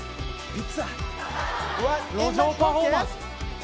路上パフォーマンス。